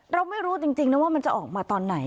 เราไม่รู้จริงนะว่ามันจะออกมาตอนไหน